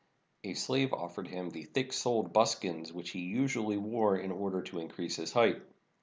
A slave offered him the thick soled buskins which he usually wore in order to increase his height.